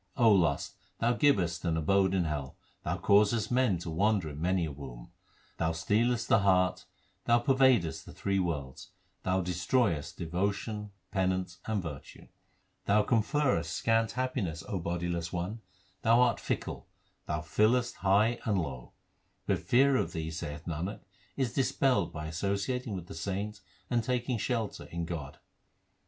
O lust, thou givest an abode in hell ; thou causest man to wander in many a womb ; Thou stealest the heart, thou pervadest the three worlds, thou destroyest devotion, penance, and virtue ; Thou conferrest scant happiness, O bodiless 2 one, thou art fickle, thou fillest high and low ; But fear of thee, saith Nanak, is dispelled by associating with the saints and taking shelter in God.